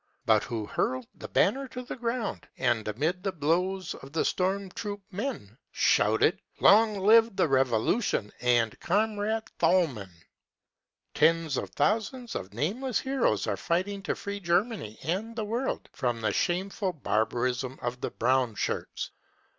— but who hurled the banner to the ground and amid the blows of the storm troop men shouted :" Long live the revolution and comrade Thalmann !" Tens of thousands of nameless heroes are fighting to free Germany and the world from the shameful barbarism of the Brown Shirts.